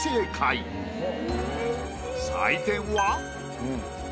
採点は。